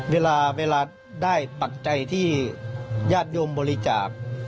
เวลาได้ปัจจัยที่ญาติโยมบริจาค